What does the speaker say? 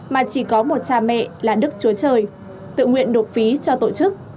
mà chỉ có một cha mẹ là đức chúa trời tự nguyện nộp phí cho tổ chức